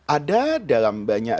ada dalam banyak